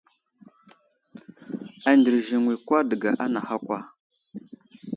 Andərziŋwi kwa dəŋga anaha kwa.